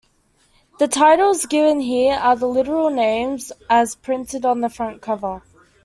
The titles given here are the literal names as printed on the front cover.